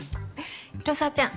広沢ちゃん。